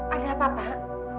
ada apa pak